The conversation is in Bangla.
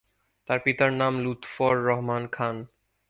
তার পিতার নাম লুৎফর রহমান খান।